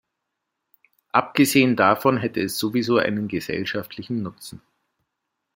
Abgesehen davon hätte es sowieso einen gesellschaftlichen Nutzen.